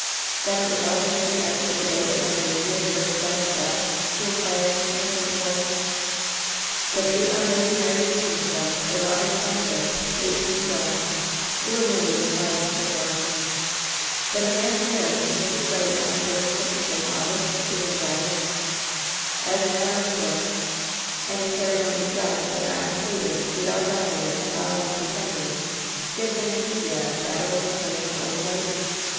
"Then it was all true as to the date of Anglesea's first wife's death ?" she inquired, in a faint voice. "The date on Lady Mary's tombstone is August 25, 18 —^," gloomily replied Mr. Force. LOVE'S BITTEREST CUP 261 "Then the man's marriage with Mrs. Wright on the first of the same August in invalid ?" "As a matter of course/' "And the ceremony begun, but not completed, with our daughter in the following December gives Anglesea a shadow of a claim on Odalite